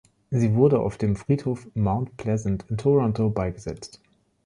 Sie wurde auf dem Friedhof „Mount Pleasant“ in Toronto beigesetzt.